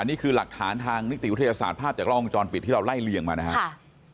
นี่คือหลักฐานทางนิติวิทยาศาสตร์ภาพจากล้องวงจรปิดที่เราไล่เลี่ยงมานะครับ